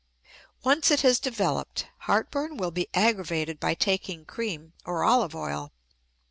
Once it has developed, heartburn will be aggravated by taking cream or olive oil.